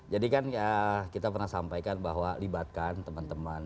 jadi kan kita pernah sampaikan bahwa libatkan teman teman